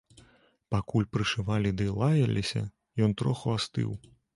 Пакуль прышывалі ды лаяліся, ён троху астыў.